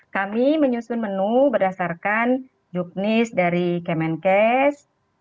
kami menyusun menu berdasarkan juknis dari kemenkes